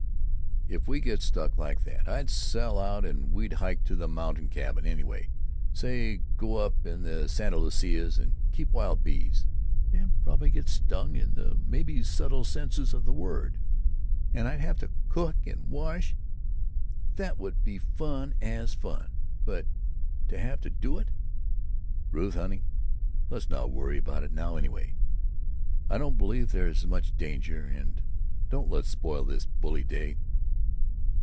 "If we got stuck like that, I'd sell out and we'd hike to the mountain cabin, anyway, say go up in the Santa Lucias, and keep wild bees." "And probably get stung—in the many subtle senses of that word. And I'd have to cook and wash. That would be fun as fun, but to have to do it——" "Ruth, honey, let's not worry about it now, anyhow. I don't believe there's much danger. And don't let's spoil this bully day."